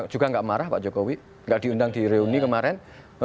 juga nggak marah pak jokowi nggak diundang di reuni kemarin